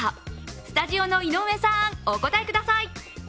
スタジオの井上さん、お答えください。